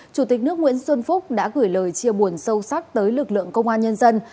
chủ tịch nước nguyễn xuân phúc đã gửi lời chia buồn sâu sắc tới lực lượng công an nhân dân